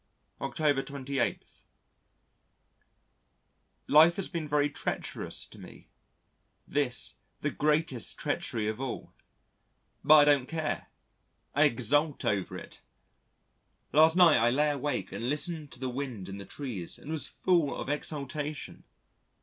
October 28. Life has been very treacherous to me this, the greatest treachery of all. But I don't care. I exult over it. Last night I lay awake and listened to the wind in the trees and was full of exultation.